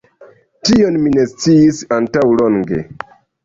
Tion mi ne sciis antaŭlonge